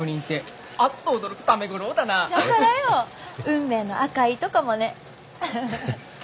運命の赤い糸かもね。